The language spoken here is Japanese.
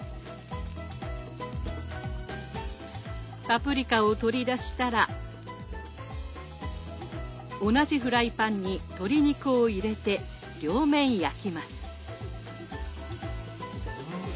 パプリカを取り出したら同じフライパンに鶏肉を入れて両面焼きます。